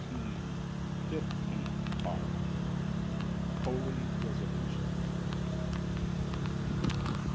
Fifteenth Part. Holy resolutions.